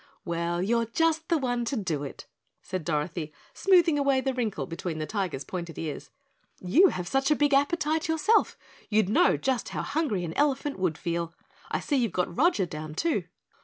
"Well, you're just the one to do it," said Dorothy, smoothing away the wrinkle between the Tiger's pointed ears. "You have such a big appetite yourself, you'd know just how hungry an elephant would feel. I see you've got Roger down, too."